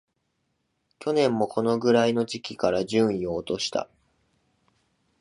去年もこのくらいの時期から順位を落とした